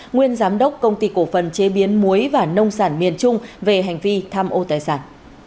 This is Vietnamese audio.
nguyên giám đốc công ty cổ phần chế biến muối và nông sản miền trung về hành vi tham ô tài sản